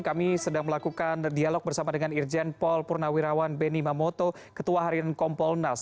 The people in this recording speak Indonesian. kami sedang melakukan dialog bersama dengan irjen paul purnawirawan beni mamoto ketua harian kompolnas